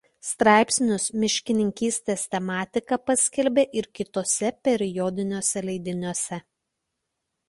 Straipsnius miškininkystės tematika paskelbė ir kituose periodiniuose leidiniuose.